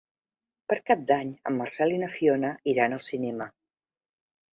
Per Cap d'Any en Marcel i na Fiona iran al cinema.